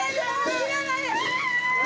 切らないで！